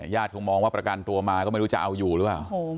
คงมองว่าประกันตัวมาก็ไม่รู้จะเอาอยู่หรือเปล่า